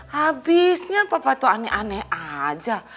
habisnya papa tuh aneh aneh aja